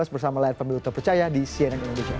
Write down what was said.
bersama layar pemilu terpercaya di cnn indonesia